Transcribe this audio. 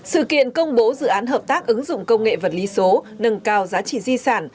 sự kiện công bố dự án hợp tác ứng dụng công nghệ vật lý số nâng cao giá trị di sản